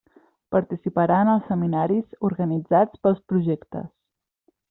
Participarà en els seminaris organitzats pels projectes.